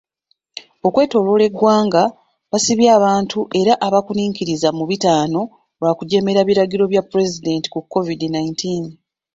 Okwetoolola eggwanga basibye abantu era abakkunukkiriza mu bitaano lwakujeemera biragiro bya pulezidenti ku COVID nineteen.